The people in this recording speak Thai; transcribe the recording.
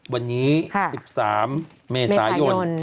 วันนี้๑๓มีศาโยน